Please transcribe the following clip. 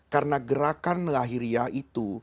karena gerakan lahiriah itu